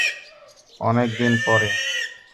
অনেক দিন পরে!